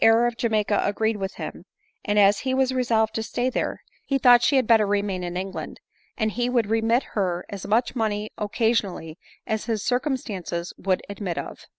air of Jamiaca agreed with him, and as he was resolved to stay there, he thought she had better remain in Eng land, and he would remit her as much money occasional ly as his circumstances would admit of..